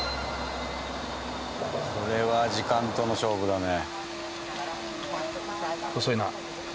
これは時間との勝負だね。